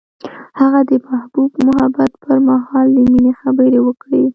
هغه د محبوب محبت پر مهال د مینې خبرې وکړې.